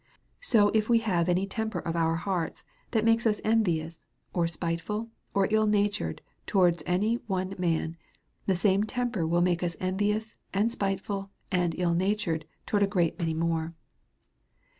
So if we have any temper of our hearts, that makes ns envious, or spiteful, or ill natured towards any one man, the same temper will make us envious, and spite ful, and ill natured towards a great many more.